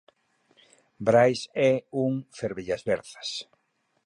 Brais é un fervellasverzas.